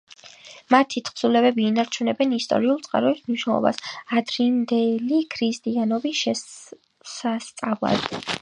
მათი თხზულებები ინარჩუნებენ ისტორიულ წყაროს მნიშვნელობას ადრინდელი ქრისტიანობის შესასწავლად.